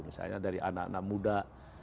misalnya dari anak anak muda